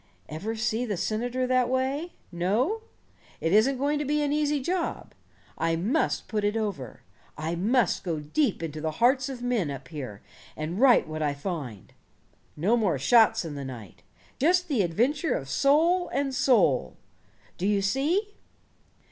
Ever see the senator that way? No? It isn't going to be an easy job. I must put it over. I must go deep into the hearts of men, up here, and write what I find. No more shots in the night. Just the adventure of soul and soul. Do you see?